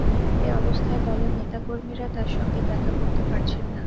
এ অবস্থায় দলের নেতা কর্মীরা তাঁর সঙ্গে দেখা করতে পারছেন না।